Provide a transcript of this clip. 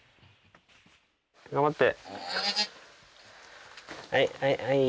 頑張って。